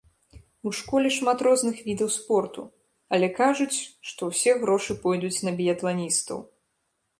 У школе шмат розных відаў спорту, але кажуць, што ўсе грошы пойдуць на біятланістаў.